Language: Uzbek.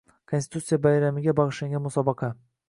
Konstitutsiya bayramiga bag‘ishlangan musobaqa